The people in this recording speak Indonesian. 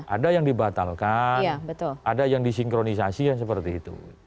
ada yang dibatalkan ada yang disinkronisasi yang seperti itu